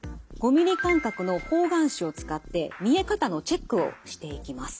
５ｍｍ間隔の方眼紙を使って見え方のチェックをしてきます。